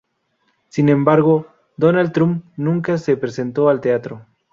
Sin embargo Donald Trump nunca se presentó al teatro.